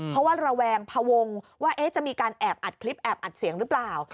เพราะว่าระแวงพวงว่าจะมีการแอบอัดคลิปแอบอัดเสียงหรือเปล่า